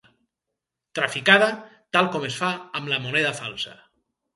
Traficada, tal com es fa amb la moneda falsa.